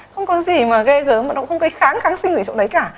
không có gì mà ghê gớm không có kháng sinh gì ở chỗ đấy cả